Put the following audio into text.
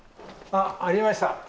あっありました。